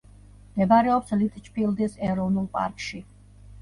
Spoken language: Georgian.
მდებარეობს ლიტჩფილდის ეროვნულ პარკში.